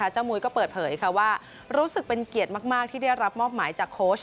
มุยก็เปิดเผยว่ารู้สึกเป็นเกียรติมากที่ได้รับมอบหมายจากโค้ช